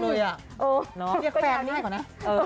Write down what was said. ดีกว่าจังเลยพี่แฟนให้ก่อนนะ